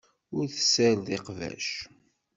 Ur tessared iqbac.